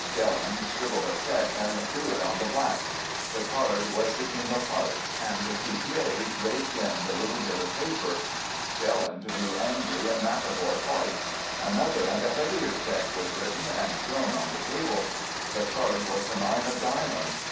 "Jelland scribbled a cheque and threw it on the black. The card was the king of hearts, and the croupier raked in the little bit of paper. Jelland grew angry, and McEvoy white. Another and a heavier cheque was written and thrown on the table. The card was the nine of diamonds.